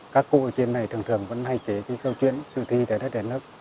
các cụ ở trên này thường thường vẫn hay kể câu chuyện sử thi đẻ đất đẻ nước